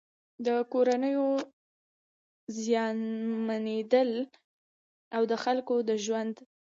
د کورونو زيانمنېدل او د خلکو د ژوند